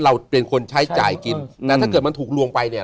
เราเป็นคนใช้จ่ายกินแต่ถ้าเกิดมันถูกลวงไปเนี่ย